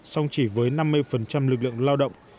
song chỉ với năm mươi lực lượng lao động